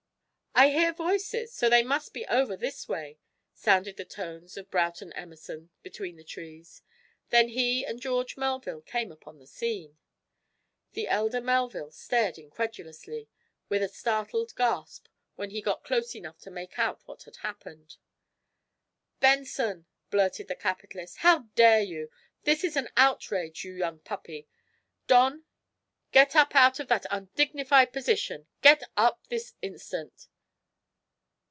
"I hear voices, so they must be over this way," sounded the tones of Broughton Emerson, between the trees. Then he and George Melville came upon the scene. The elder Melville stared incredulously, with a startled gasp, when he got close enough to make out what had happened. "Benson," blurted the capitalist, "how dare you? This is an outrage, you young puppy! Don, get up out of that undignified position. Get up this instant!"